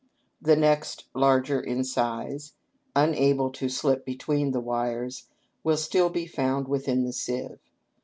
The next larger in size, unable to slip between APPENDIX. 623 the wires, will still be found within the sieve.